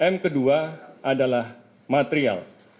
m kedua adalah material